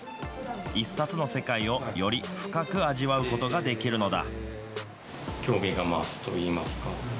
１冊の世界をより深く味わうことができるのだ。